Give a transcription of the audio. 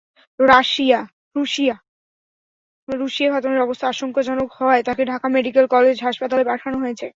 রুশিয়া খাতুনের অবস্থা আশঙ্কাজনক হওয়ায় তাঁকে ঢাকা মেডিকেল কলেজ হাসপাতালে পাঠানো হয়েছে।